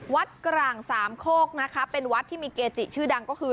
กร่างสามโคกนะคะเป็นวัดที่มีเกจิชื่อดังก็คือ